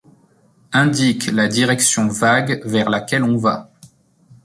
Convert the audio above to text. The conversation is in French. Indique la direction vague vers laquelle on va.